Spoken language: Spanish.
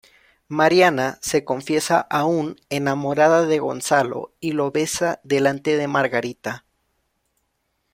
Mariana se confiesa aún enamorada de Gonzalo y lo besa delante de Margarita.